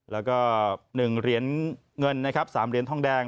แล้วก็๑เหรียญเงินนะครับ๓เหรียญทองแดง